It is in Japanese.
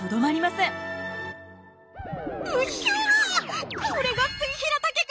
うっひょ！